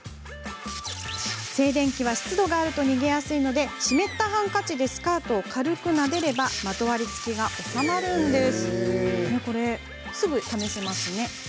静電気は湿度があると逃げやすいので湿ったハンカチでスカートを軽くなでればまとわりつきが収まるんです。